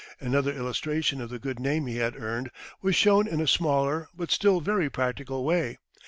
Another illustration of the good name he had earned was shown in a smaller, but still very practical way.